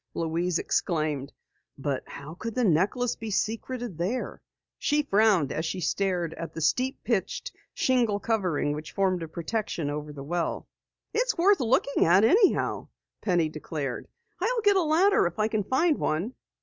Louise exclaimed. "But how could the necklace be secreted there?" She frowned as she stared at the steep pitched, shingled covering which formed a protection over the well. "It's worth looking at anyhow!" Penny declared. "I'll get a ladder if I can find one."